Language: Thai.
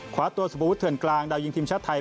ขวาตัวสุบวุฒเถื่อนกลางดาวยิงทีมชาติไทย